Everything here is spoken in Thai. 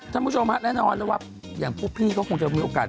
คุณผู้ชมฮะแน่นอนแล้วว่าอย่างพวกพี่ก็คงจะมีโอกาส